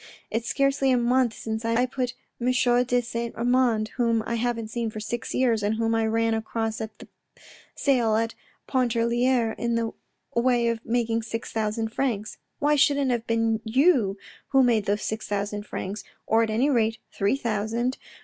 It's scarcely a month since I put Michaud de Saint Amand, whom I haven't seen for six years, and whom I ran across at the sale at Pontarlier in the way of making six thousand francs. Why shouldn't it have been you who made those six thousand francs, or at any rate three thousand.